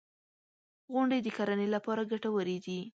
• غونډۍ د کرنې لپاره ګټورې دي.